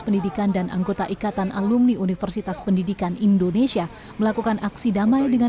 pendidikan dan anggota ikatan alumni universitas pendidikan indonesia melakukan aksi damai dengan